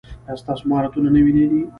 ایا ستاسو مهارتونه نوي دي؟